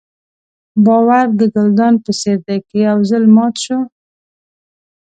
باور د ګلدان په څېر دی که یو ځل مات شو.